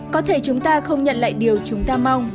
có thể chúng ta không nhận lại điều chúng ta mong